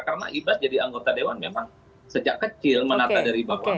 karena ibas jadi anggota dewan memang sejak kecil menata dari bawah